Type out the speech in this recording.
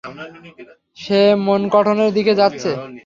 সে মনকটনের দিকে যাচ্ছে।